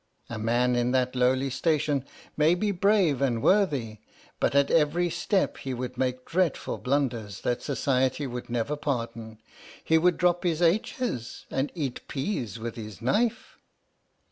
"PINAFORE" man in that lowly station may be brave and worthy, but at every step he would make dreadful blunders that Society would never pardon. He would drop his h's, and eat peas with his knife."